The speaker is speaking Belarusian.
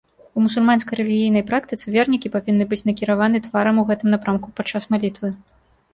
У мусульманскай рэлігійнай практыцы вернікі павінны быць накіраваны тварам у гэтым напрамку падчас малітвы.